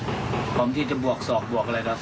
เตรียมป้องกันแชมป์ที่ไทยรัฐไฟล์นี้โดยเฉพาะ